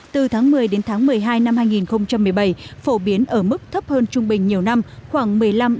từ tháng một mươi đến tháng một mươi hai năm hai nghìn một mươi bảy phổ biến ở mức thấp hơn trung bình nhiều năm khoảng một mươi năm ba mươi